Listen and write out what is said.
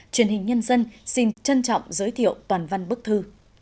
truyền hình nhân dân xin trân trọng giới thiệu toàn văn bức thư